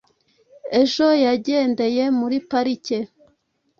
ejo yagendeye muri parike